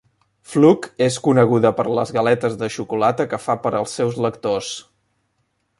Fluke es coneguda per les galetes de xocolata que fa per als seus lectors.